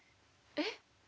えっ？